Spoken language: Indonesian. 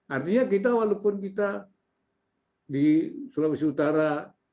artinya kita walaupun kita di sulawesi utara